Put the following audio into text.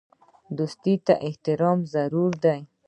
دوستۍ ته احترام ضروري دی.